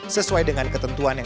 sesuai dengan ketentuan yang